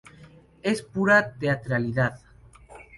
Es pura teatralidad.